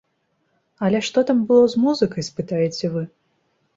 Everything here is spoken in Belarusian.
Але што там было з музыкай, спытаеце вы?